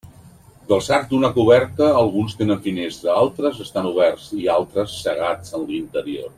Dels arcs d'una coberta alguns tenen finestra, altres estan oberts i altres cegats en l'interior.